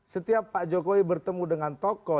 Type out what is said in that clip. setiap pak jokowi bertemu dengan tokoh